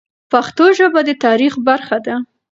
پښتو ژبه د تاریخ برخه ده.